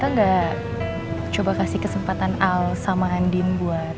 tante gak coba kasih kesempatan al sama handin buat